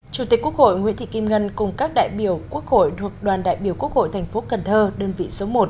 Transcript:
chủ tịch quốc hội nguyễn thị kim ngân cùng các đại biểu quốc hội thuộc đoàn đại biểu quốc hội thành phố cần thơ đơn vị số một